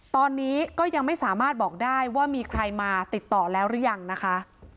ตอนนี้ก็ยังไม่สามารถบอกได้ว่ามีใครมาติดต่อแล้วหรือยังนะคะ